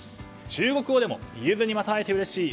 中国語でもゆづにまた会えてうれしい。